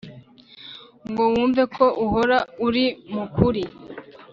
ngo wumve ko uhora uri mukuri